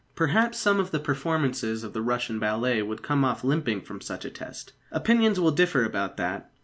Perhaps some of the performances of the Russian ballet would come off limping from such a test. Opinions will differ about that.